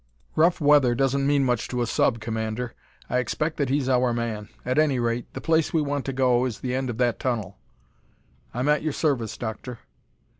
"Rough weather doesn't mean much to a sub, Commander. I expect that he's our man. At any rate, the place we want to go is the end of that tunnel." "I'm at your service, Doctor."